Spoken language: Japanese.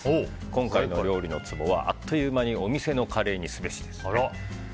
今回の料理のツボはあっという間にお店のカレーにすべしです。